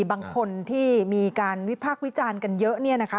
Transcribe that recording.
บางคนที่มีการวิพากษ์วิจารณ์กันเยอะ